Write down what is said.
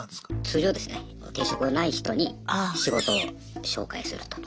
通常ですね定職ない人に仕事を紹介すると。